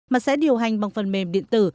mà sẽ điều hành bằng phần mềm điện tử